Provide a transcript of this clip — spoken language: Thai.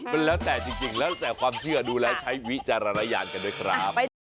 มันแล้วแต่จริงแล้วแต่ความเชื่อดูแล้วใช้วิจารณญาณกันด้วยครับ